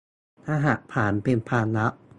รหัสผ่านเป็นความลับ